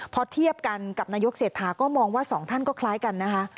พอเทียบกันกับนายกเศรษฐาก็มองว่าสองท่านก็คล้ายกันนะคะ